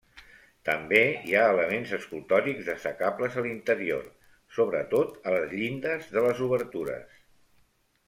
També hi ha elements escultòrics destacables a l'interior, sobretot a les llindes de les obertures.